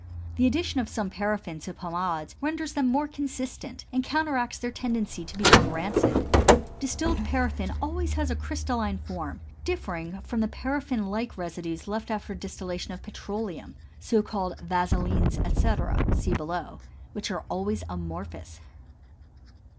The addition of some paraffin to pomades renders them more consistent and counteracts their tendency to become rancid. Distilled paraffin always has a crystalline form, differing from the paraffin like residues left after the distillation of petroleum (so called vaselins, etc., see below) which are always amorphous.